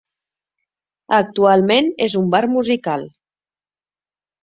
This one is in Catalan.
Actualment és un bar musical.